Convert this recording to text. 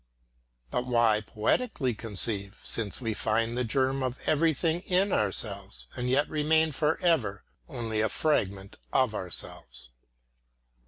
But why poetically conceive, since we find the germ of everything in ourselves, and yet remain forever only a fragment of ourselves?